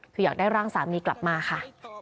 คืออยากได้ร่างสามีกลับมาค่ะ